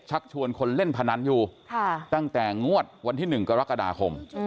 ชักชวนคนเล่นพนันอยู่ตั้งแต่งวดวันที่๑กรกฎาคม